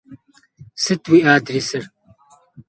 Sıt vui adrêsır?